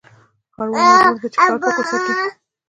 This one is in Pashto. ښاروال مجبور دی چې، ښار پاک وساتي.